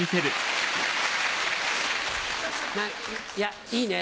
いやいいね。